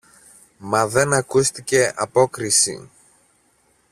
Μα δεν ακούστηκε απόκριση.